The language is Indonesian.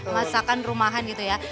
masakan rumahan gitu ya